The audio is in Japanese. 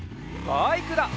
バイクだ！